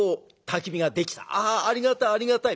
「あありがたいありがたい」。